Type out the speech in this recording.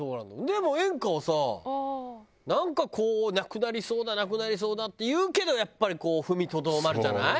でも演歌はさなんかこうなくなりそうだなくなりそうだって言うけどやっぱりこう踏みとどまるじゃない？